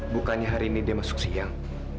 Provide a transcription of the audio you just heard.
bukannya hari ini dia masuk siang